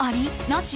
なし？